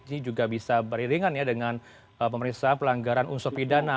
ini juga bisa beriringan ya dengan pemeriksaan pelanggaran unsur pidana